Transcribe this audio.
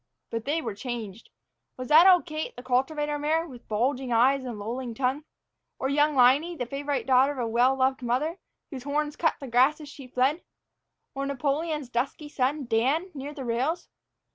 But they were changed. Was that old Kate, the cultivator mare, with bulging eyes and lolling tongue? Or young Liney, the favorite daughter of a well loved mother, whose horns cut the grass as she fled? Or Napoleon's dusky son, Dan, near the rails?